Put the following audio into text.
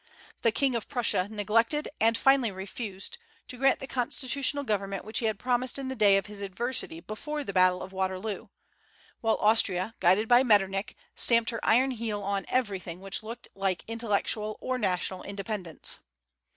The king of Prussia neglected, and finally refused, to grant the constitutional government which he had promised in the day of his adversity before the battle of Waterloo; while Austria, guided by Metternich, stamped her iron heel on everything which looked like intellectual or national independence.